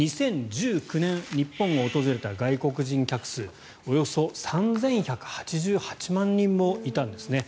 ２０１９年日本を訪れた外国人客数およそ３１８８万人もいたんです。